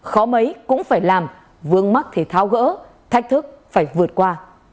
khó mấy cũng phải làm vương mắc thể thao gỡ thách thức phải vượt qua